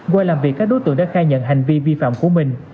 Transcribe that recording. qua làm việc các đối tượng đã khai nhận hành vi vi phạm của mình